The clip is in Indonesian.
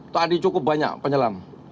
tadi cukup banyak penyelam